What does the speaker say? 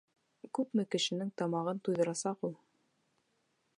Күпме кешенең тамағын туйҙырасаҡ ул!